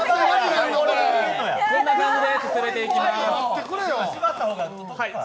こんな感じで進めていきます。